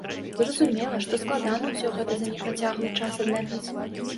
Зразумела, што складана ўсё гэта за непрацяглы час аднавіць.